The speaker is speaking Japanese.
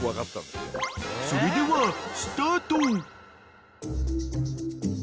［それではスタート］